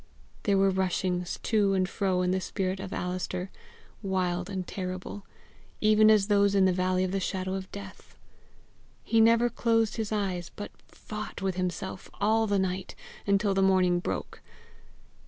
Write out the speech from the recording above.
There were rushings to and fro in the spirit of Alister, wild and terrible, even as those in the Valley of the Shadow of Death. He never closed his eyes, but fought with himself all the night, until the morning broke.